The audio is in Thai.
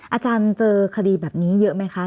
อาจารย์เจอคดีแบบนี้เยอะไหมคะ